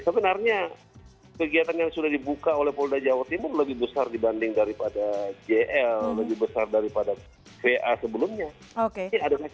sebenarnya kegiatan yang sudah dibuka oleh polda jawa timur lebih besar dibanding daripada gl lebih besar daripada va sebelumnya